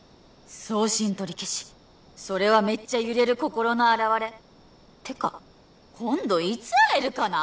送信取り消しそれはめっちゃ揺れる心のあらわれってか「今度いつ会えるかな？」